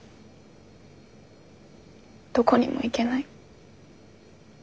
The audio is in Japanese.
どこにも行けない。